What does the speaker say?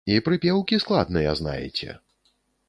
І прыпеўкі складныя знаеце.